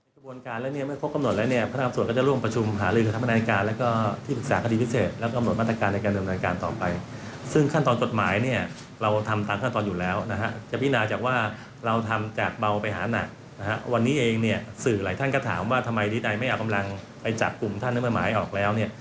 สื่อหลายท่านก็ถามว่าทำไมอาจไม่เอากำลังไปจากกลุ่มท่านรับหมายออกแล้วเนี่ย